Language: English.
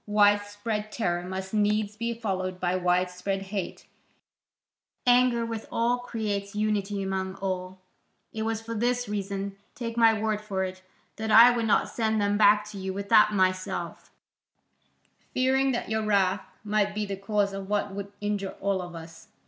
Widespread terror must needs be followed by widespread hate: anger with all creates unity among all. It was for this reason, take my word for it, that I would not send them back to you without myself, fearing that your wrath might be the cause of what would injure all of us.